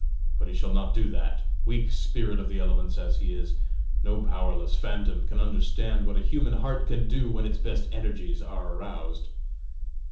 But he shall not do that, weak spirit of the elements as he is. No powerless phantom can understand what a human heart can do when its best energies are aroused."